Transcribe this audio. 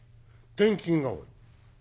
転勤が多い。